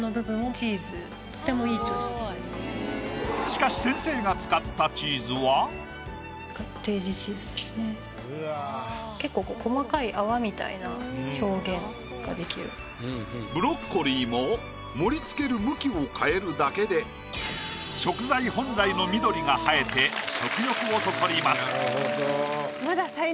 しかし先生が使った結構ブロッコリーも盛りつける向きを変えるだけで食材本来の緑が映えて食欲をそそります。